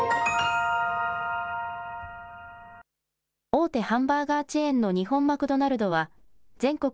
大手ハンバーガーチェーンの日本マクドナルドは、全国